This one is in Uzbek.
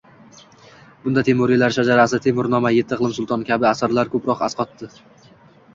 Bunda «Temuriylar shajarasi», «Temurnoma», «Etti iqlim sultoni» kabi asarlar ko‘proq asqotdi